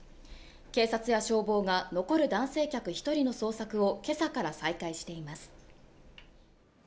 警察や消防が残る男性客１人の捜索を今朝から再開しています。